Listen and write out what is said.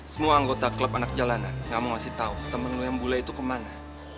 semua anggota klub anak jalanan gak mau ngasih tau temen lo yang bule itu kemana